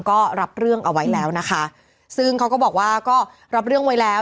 ก็รับเรื่องเอาไว้แล้วนะคะซึ่งเขาก็บอกว่าก็รับเรื่องไว้แล้ว